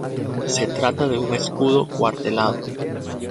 Se trata de un escudo cuartelado.